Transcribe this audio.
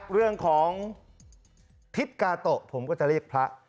เรื่องของทิศกาโตะผมก็จะเรียกพระ